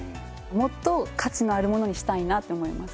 もっと価値のあるものにしたいなって思います。